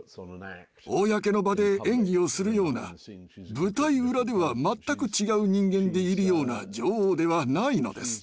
公の場で演技をするような舞台裏では全く違う人間でいるような女王ではないのです。